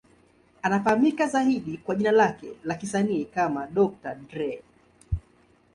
Anafahamika zaidi kwa jina lake la kisanii kama Dr. Dre.